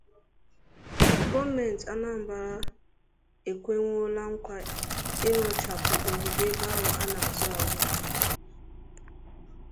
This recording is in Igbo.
Gọọmenti Anambra Ekwenwòóla Nkwà Ịrụchapụ Ogige Ebe Ahụ A Na-Azụ Azụ